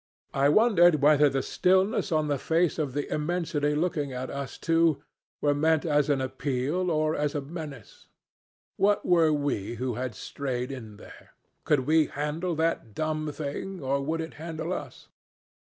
I wondered whether the stillness on the face of the immensity looking at us two were meant as an appeal or as a menace. What were we who had strayed in here? Could we handle that dumb thing, or would it handle us?